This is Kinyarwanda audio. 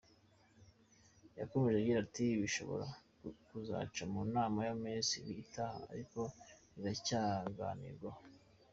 Yakomeje agira ati “Rishobora kuzaca mu nama y’abaminisitiri itaha ariko riracyaganirwaho